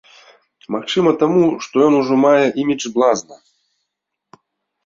Магчыма, таму, што ён ужо мае імідж блазна.